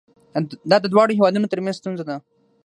دا د دواړو هیوادونو ترمنځ ستونزه ده.